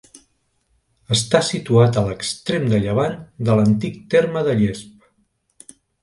Està situat a l'extrem de llevant de l'antic terme de Llesp.